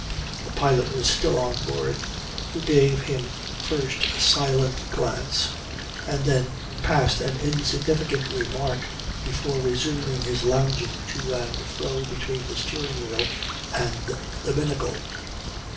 The pilot was still on board, who gave him first a silent glance, and then passed an insignificant remark before resuming his lounging to and fro between the steering wheel and the binnacle.